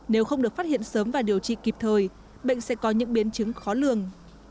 nếu không được phát hiện sớm và điều trị kịp thời bệnh sẽ có những biến chứng khó lường